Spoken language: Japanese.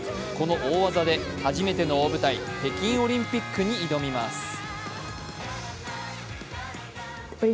この大技で初めての大舞台北京オリンピックに挑みます。